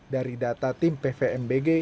dari data tim pvmbg